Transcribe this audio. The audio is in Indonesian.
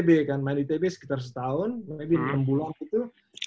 kemudian kemudian kemudian kemudian kemudian kemudian kemudian kemudian kemudian kemudian kemudian